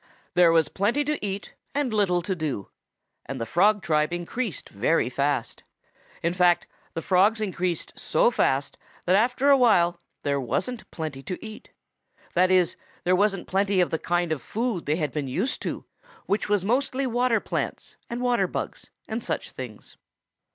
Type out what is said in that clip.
There was plenty to eat and little to do, and the Frog tribe increased very fast. In fact, the Frogs increased so fast that after a while there wasn't plenty to eat. That is, there wasn't plenty of the kind of food they had been used to, which was mostly water plants, and water bugs and such things.